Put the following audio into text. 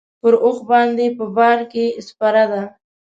پر اوښ باندې په بار کې سپره ده.